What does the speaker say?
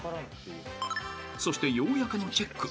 ［そしてようやくのチェック］